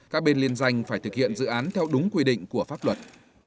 các bên liên danh phải thực hiện dự án theo đúng quy định của pháp luật